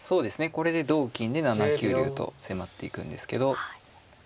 これで同金で７九竜と迫っていくんですけどまあ